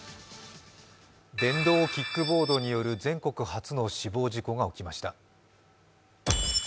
電動キックボードによる全国初の死亡事故が起きました。